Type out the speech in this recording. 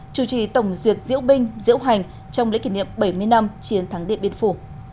chủ trì tổng duyệt diễu binh diễu hành trong lễ kỷ niệm bảy mươi năm chiến thắng điện biên phủ